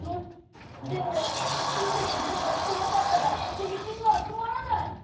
でも住んでいる人が少なかったら税金が集まらない。